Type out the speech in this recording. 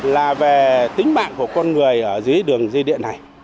là về tính mạng của con người ở dưới đường dây điện này